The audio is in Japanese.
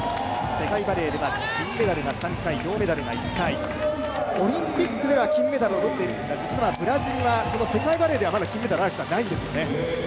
世界バレーでは銀メダルが１回、銅メダルが１回、オリンピックでは金メダルを取っていますが実はブラジルは世界バレーでは金メダルはないんですね。